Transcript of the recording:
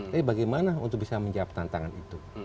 jadi bagaimana untuk bisa menjawab tantangan itu